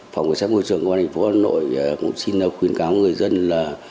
phòng cơ sở môi trường ngoan hành phố hà nội cũng xin khuyên cáo người dân là